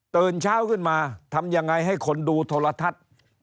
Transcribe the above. ตื่นเช้าขึ้นมาทำยังไงให้คนดูโทรทัศน์